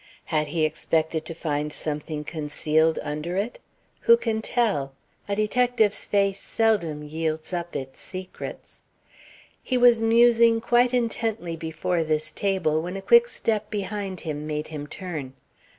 Had he expected to find something concealed under it? Who can tell? A detective's face seldom yields up its secrets. He was musing quite intently before this table when a quick step behind him made him turn.